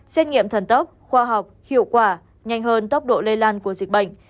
xét nghiệm thần tốc khoa học hiệu quả nhanh hơn tốc độ lây lan của dịch bệnh